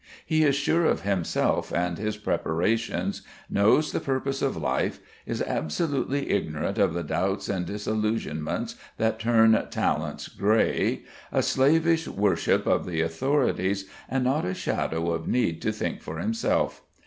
He is sure of himself and his preparations, knows the purpose of life, is absolutely ignorant of the doubts and disillusionments that turn talents grey, a slavish worship of the authorities, and not a shadow of need to think for himself.